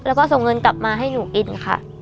แล้วก็ส่งเงินกลับมาให้หนูกินค่ะ